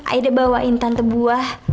aida bawain tante buah